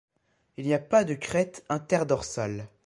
Il n'y a pas de crête interdorsale.